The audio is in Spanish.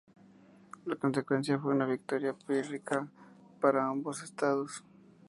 La consecuencia fue una victoria pírrica para ambos estados.